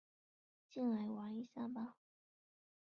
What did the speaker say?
进来玩一下吧